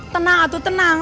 tenang atu tenang